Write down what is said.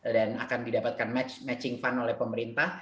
dan akan didapatkan matching fund oleh pemerintah